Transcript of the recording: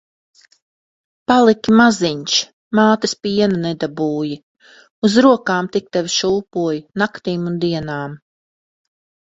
Paliki maziņš, mātes piena nedabūji. Uz rokām tik tevi šūpoju naktīm un dienām.